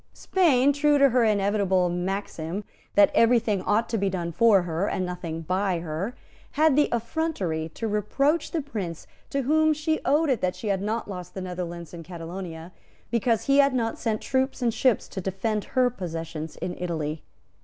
Spain, true to her invariable maxim that every thing ought to be done for her and nothing by her, had the effrontery to reproach the Prince to whom she owed it that she had not lost the Netherlands and Catalonia, because he had not sent troops and ships to defend her possessions in Italy.